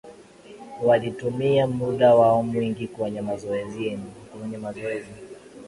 walitumia muda wao mwingi kwenye mazoezi